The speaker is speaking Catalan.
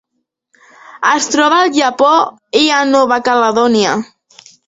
Es troba al Japó i a Nova Caledònia.